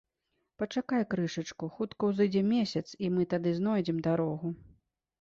- Пачакай крышачку, хутка ўзыдзе месяц, і мы тады знойдзем дарогу